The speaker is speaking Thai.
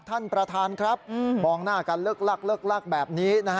ท่านประธานครับมองหน้ากันเลือกแบบนี้